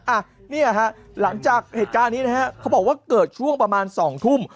อ่ะเนี่ยฮะหลังจากเหตุการณ์นี้นะฮะเขาบอกว่าเกิดช่วงประมาณสองทุ่ม